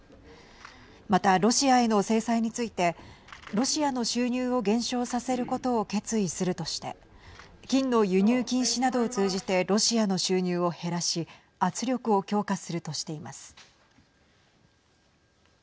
また、ロシアへの制裁についてロシアの収入を減少させることを決意するとして金の輸入禁止などを通じてロシアの収入を減らし圧力を強化するとしています。